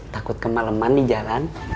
takut kemaleman di jalan